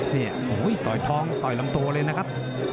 โห้ยต่อยทองต่อยลำโตเลยนะครับ